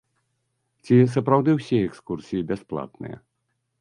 Ці сапраўды ўсе экскурсіі бясплатныя?